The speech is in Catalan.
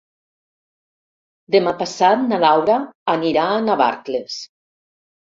Demà passat na Laura anirà a Navarcles.